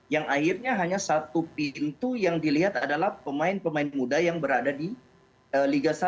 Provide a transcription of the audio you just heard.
yang akhirnya hanya satu pintu yang dilihat adalah pemain pemain muda yang berada di liga satu